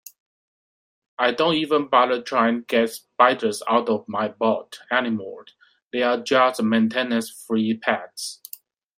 I don't even bother trying to get spiders out of my boat anymore, they're just maintenance-free pets.